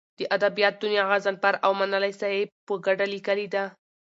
د ادبیاتو دونیا غضنفر اومنلی صاحب په کډه لیکلې ده.